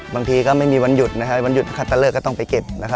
บางทีก็ไม่มีวันหยุดวันหยุดถ้าขัดตะเลิกก็ต้องไปเก็บ